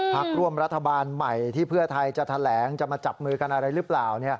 พักร่วมรัฐบาลใหม่ที่เพื่อไทยจะแถลงจะมาจับมือกันอะไรหรือเปล่า